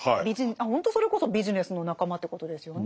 ほんとそれこそビジネスの仲間ってことですよね。